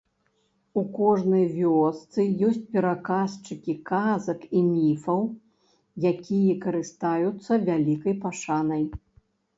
У кожнай вёсцы ёсць пераказчыкі казак і міфаў, якія карыстаюцца вялікай пашанай.